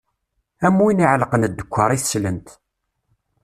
Am win iɛellqen ddekkaṛ i teslent.